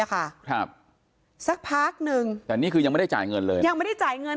ค่ะครับสักพักนึงแต่นี่คือยังไม่ได้จ่ายเงินเลยยังไม่ได้จ่ายเงิน